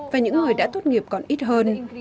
và những người đã tốt nghiệp còn ít hơn